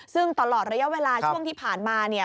ซึ่งตลอดระยะเวลาช่วงที่ผ่านมาเนี่ย